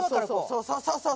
そうそうそうそう！